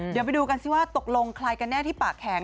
เดี๋ยวไปดูกันสิว่าตกลงใครกันแน่ที่ปากแข็ง